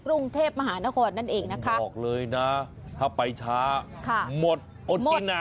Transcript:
กรุงเทพมหานครนั่นเองนะคะบอกเลยนะถ้าไปช้าหมดอดกินน่ะ